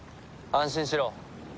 安心しろ。